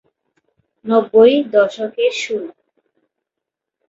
নব্বই দশকের শুরু।